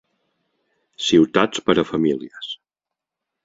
Ciutats per a famílies.